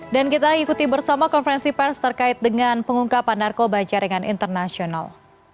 dan kita ikuti bersama konferensi pers terkait dengan pengungkapan narkoba jaringan internasional